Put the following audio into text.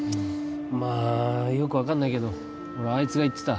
まあよく分かんないけどほらあいつが言ってた